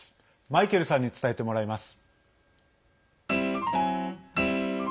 マイケルさんに伝えてもらいます。